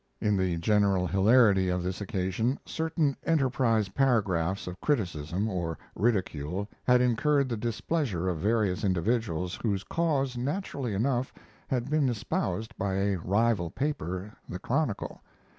In the general hilarity of this occasion, certain Enterprise paragraphs of criticism or ridicule had incurred the displeasure of various individuals whose cause naturally enough had been espoused by a rival paper, the Chronicle.